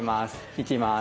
いきます。